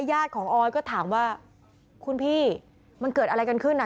ญาติของออยก็ถามว่าคุณพี่มันเกิดอะไรกันขึ้นอ่ะ